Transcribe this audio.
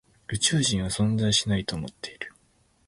宇宙人は存在しないと思っている。